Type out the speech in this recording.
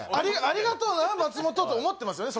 「ありがとうな松本」と思ってますよね